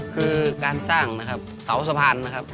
คือการสร้างเสาสะพานนะครับ